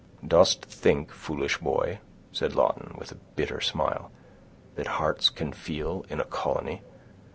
"Dost think, foolish boy," said Lawton, with a bitter smile, "that hearts can feel in a colony?